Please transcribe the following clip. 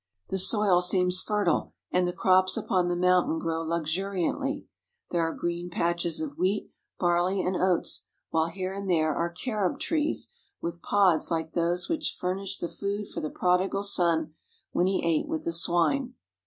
The soil seems fertile, and the crops upon the mountain grow luxuriantly. There are green patches of wheat, barley, and oats, while here and there are carob trees, with pods like those which furnished the food for the prodigal son when he ate with the swine.